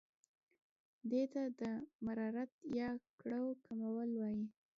دې ته د مرارت یا کړاو کمول وايي.